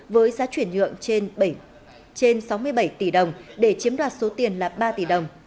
với giá chuyển nhượng trên sáu mươi bảy tỷ đồng để chiếm đoạt số tiền là ba tỷ đồng